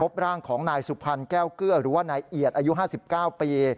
ร่างของนายสุพรรณแก้วเกลือหรือว่านายเอียดอายุ๕๙ปี